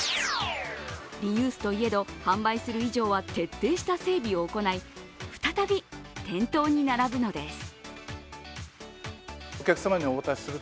リユースといえど、販売する以上は徹底した整備を行い、再び、店頭に並ぶのです。